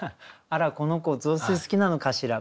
「あらこの子雑炊好きなのかしら？」